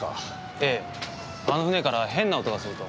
ええあの船から変な音がすると。